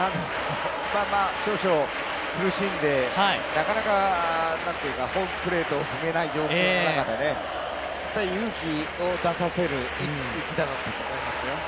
少々苦しんで、なかなかホームプレートを踏めない中で勇気を出させる一打だったと思いますよ。